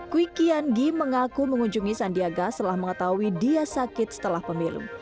kwi kian gi mengaku mengunjungi sandiaga setelah mengetahui dia sakit setelah pemilu